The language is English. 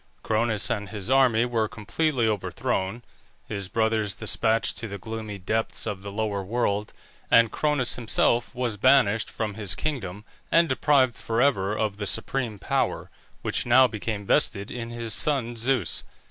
Cronus and his army were completely overthrown, his brothers despatched to the gloomy depths of the lower world, and Cronus himself was banished from his kingdom and deprived for ever of the supreme power, which now became vested in his son Zeus.